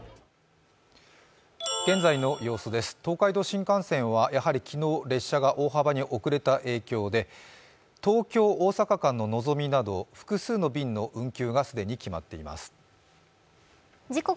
現在の様子です、東海道新幹線は昨日列車が大幅に遅れた影響で東京−大阪間の「のぞみ」など複数の便の運休が既に決まっています。